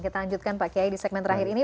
kita lanjutkan pak kiai di segmen terakhir ini